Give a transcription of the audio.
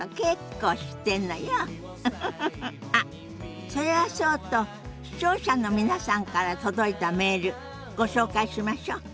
あっそれはそうと視聴者の皆さんから届いたメールご紹介しましょ。